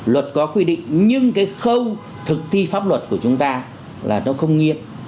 luật có quy định nhưng cái khâu thực thi pháp luật của chúng ta là nó không nghiêm